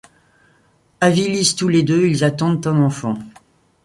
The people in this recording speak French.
Avvilis tous les deux, ils attendent un enfant.